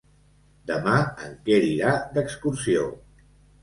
Demà en Quer irà d'excursió.